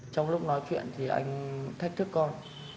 trong lúc nói chuyện thì anh thách thức con